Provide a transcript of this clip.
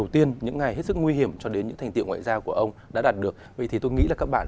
thì tôi nghĩ là các bạn